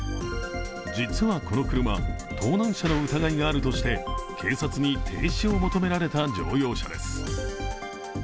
実はこの車、盗難車の疑いがあるとして警察に停止を求められた乗用車です。